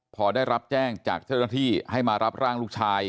พอได้รับแจ้งจากเจ้าหน้าที่ให้มารับร่างลูกชาย